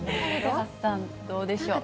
どうでしょう？